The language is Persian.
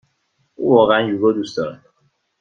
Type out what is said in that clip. او واقعا یوگا دوست دارد.